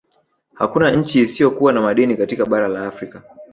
Hakuna nchi isiyo kuwa na madini katika bara la Afrika